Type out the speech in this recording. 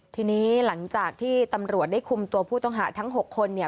ทีนี้หลังจากที่ตำรวจได้คุมตัวผู้ต้องหาทั้ง๖คนเนี่ย